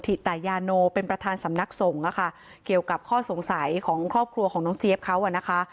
ถาโนเป็นประธานสำนักสงฆ์อะค่ะเกี่ยวกับข้อสงสัยของครอบครัวของน้องเจี๊ยบเขาอ่ะนะคะ